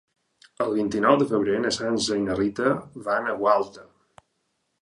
El vint-i-nou de febrer na Sança i na Rita van a Gualta.